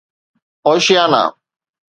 Oceania